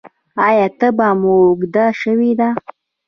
ایا تبه مو اوږده شوې ده؟